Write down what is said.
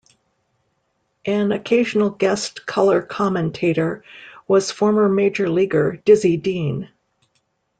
An occasional guest color commentator was former major leaguer Dizzy Dean.